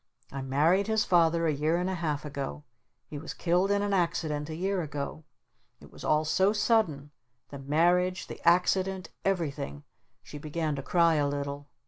"I married his Father a year and a half ago. He was killed in an accident a year ago. It was all so sudden, the marriage, the accident, everything !" She began to cry a little.